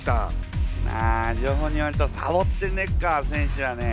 あ情報によるとサボッテネッガー選手はね